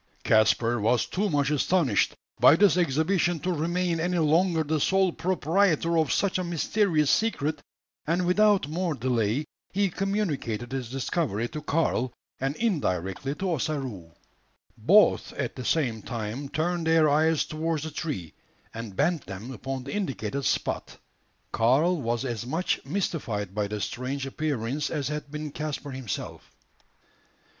Caspar was too much astonished by this exhibition to remain any longer the sole proprietor of such a mysterious secret, and without more delay he communicated his discovery to Karl, and indirectly to Ossaroo. Both at the same time turned their eyes towards the tree, and bent them upon the indicated spot. Karl was as much mystified by the strange appearance as had been Caspar himself.